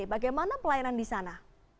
bagaimana pelayanan di sana